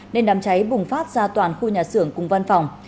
nên đám cháy bùng phát ra toàn khu nhà xưởng cùng văn phòng